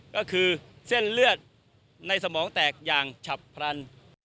ก็คือเส้นเลือดในสมองแตกอย่างฉับพลัน